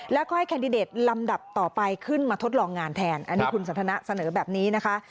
แล้วก็ให้แคนดิเดตลำดับต่อไปขึ้นมาทดลองงานแทนอันนี้คุณสันทนาเสนอแบบนี้นะคะ